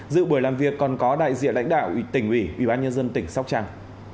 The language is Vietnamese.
dự buổi làm việc còn có đại diện đảnh đạo tỉnh ủy ubnd tỉnh sóc trăng